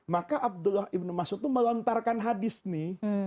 maka abdullah ibnu mas'ud itu melontarkan hadis nih